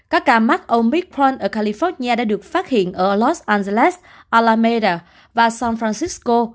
các ca mắc omicron ở california đã được phát hiện ở los angeles alameda và san francisco